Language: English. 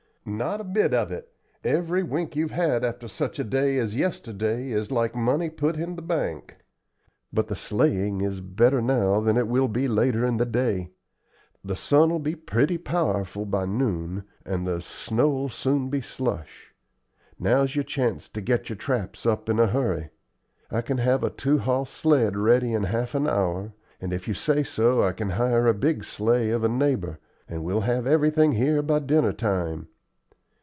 "Not a bit of it. Every wink you've had after such a day as yesterday is like money put in the bank. But the sleighing is better now than it will be later in the day. The sun'll be pretty powerful by noon, and the snow'll soon be slush. Now's your chance to get your traps up in a hurry. I can have a two hoss sled ready in half an hour, and if you say so I can hire a big sleigh of a neighbor, and we'll have everything here by dinner time.